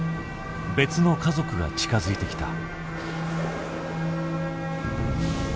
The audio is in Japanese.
別の家族が近づいてきた。